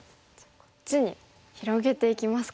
こっちに広げていきますか。